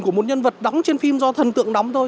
của một nhân vật đóng trên phim do thần tượng đóng thôi